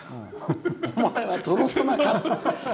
お前は殿様か！